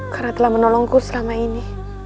karena telah menolongku selama ini